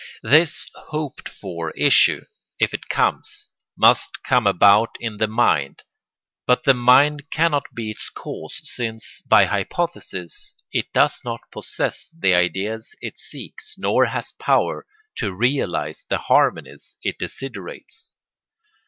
This hoped for issue, if it comes, must come about in the mind; but the mind cannot be its cause since, by hypothesis, it does not possess the ideas it seeks nor has power to realise the harmonies it desiderates.